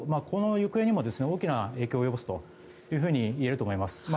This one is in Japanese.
この行方にも大きな影響を及ぼすといえると思います。